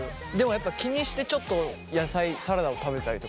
やっぱ気にしてちょっと野菜サラダを食べたりとかするじゃん。